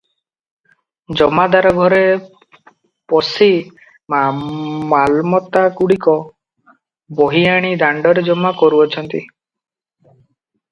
ଜମାଦାର ଘରେ ପଶି ମାଲମତାଗୁଡ଼ିକ ବହିଆଣି ଦାଣ୍ତରେ ଜମା କରୁଅଛନ୍ତି ।